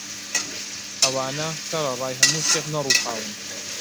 ئەوانە سەرەڕای هەموو شتێک نەڕووخاون